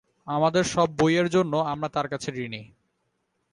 আমাদের সব বই-এর জন্য আমরা তার কাছে ঋণী।